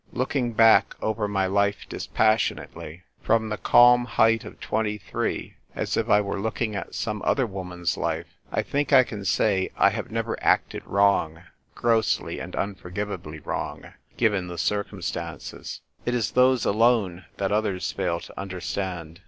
Looking back over my life dispassionately ENVOY PLENIPOTENTIARY. 243 from the calm height of twenty three, as if I were looking at some other woman's life, I think I can say I have never acted wrong — grossly and unforgivably wrong — given the circumstances. It is those alone that others iail to understand.